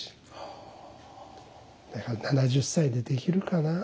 だから７０歳でできるかなあ。